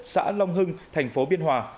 xã long hưng thành phố biên hòa